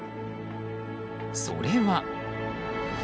それは。